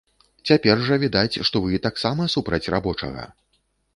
Цяпер жа відаць, што вы таксама супраць рабочага.